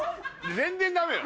全然ダメよ